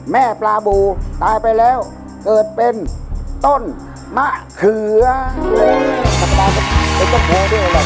แม่ปลาบูตายไปแล้วเกิดเป็นต้นมะเขือเป็นต้นโพด้วย